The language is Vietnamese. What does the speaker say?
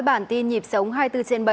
bản tin nhịp sống hai mươi bốn trên bảy